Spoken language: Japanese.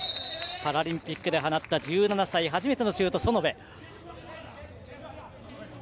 パラリンピックで放った、１７歳初めてのシュート、園部。